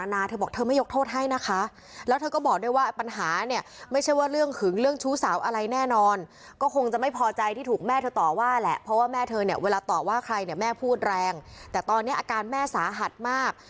เนี่ยเวลาตอบว่าใครเนี่ยแม่พูดแรงแต่ตอนเนี้ยอาการแม่สาหัสมาก